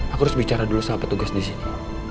aku harus bicara dulu sama petugas di sini